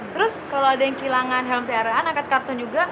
terus kalo ada yang kehilangan helm pra angkat karton juga